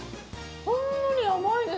ほんのり甘いです